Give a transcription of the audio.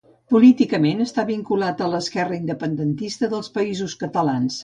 Políticament està vinculat a l'Esquerra Independentista dels Països Catalans.